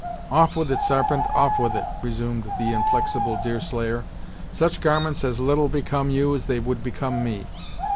"Off with it, Sarpent off with it," resumed the inflexible Deerslayer. "Such garments as little become you as they would become me.